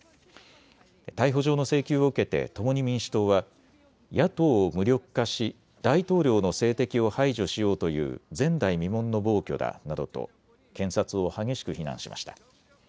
逮捕状の請求を受けて共に民主党は野党を無力化し大統領の政敵を排除しようという前代未聞の暴挙だなどと検察を激しく非難しました。